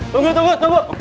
tunggu tunggu tunggu